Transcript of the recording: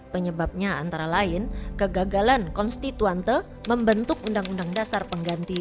penyebabnya antara lain kegagalan konstituante membentuk undang undang dasar pengganti